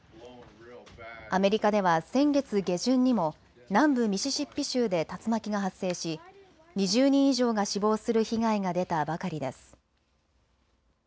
アメリカでは先月下旬にも南部ミシシッピ州で竜巻が発生し２０人以上が死亡する被害が出たばかりです。